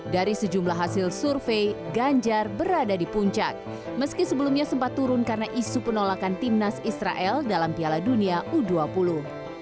dari sejumlah hasil survei ganjar berada di puncak meski sebelumnya sempat turun karena isu penolakan timnas israel dalam piala dunia u dua puluh